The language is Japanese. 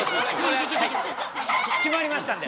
決まりましたんで。